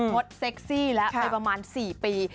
ดเซ็กซี่แล้วไปประมาณ๔ปี